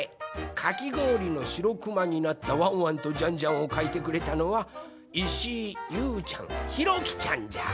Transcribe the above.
かきごおりのしろくまになったワンワンとジャンジャンをかいてくれたのはいしいゆうちゃんひろきちゃんじゃ！